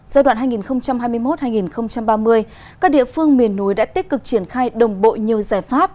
giai đoạn hai nghìn hai mươi một hai nghìn ba mươi các địa phương miền núi đã tích cực triển khai đồng bộ nhiều giải pháp